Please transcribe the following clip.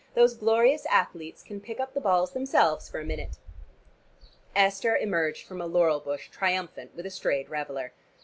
"Those glorious athletes can pick up the balls themselves for a minute." Esther emerged from a laurel bush triumphant with a strayed reveler.